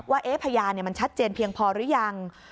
ว่าพยานมันชัดเจนเพียงพอหรือยัง